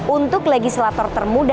untuk legislator termuda